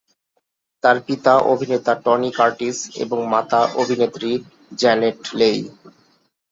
তার পিতা অভিনেতা টনি কার্টিস এবং মাতা অভিনেত্রী জ্যানেট লেই।